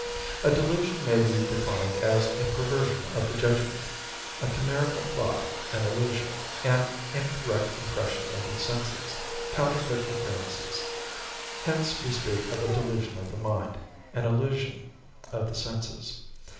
A delusion may be defined as a perversion of the judgment, a chimerical thought; an illusion, an incorrect impression of the senses, counterfeit appearances; hence we speak of a delusion of the mind, an illusion of the senses.